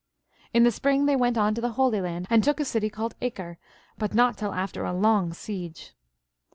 In the spring they went on to the Holy Land and took a city called Acre, but not till after a long siege.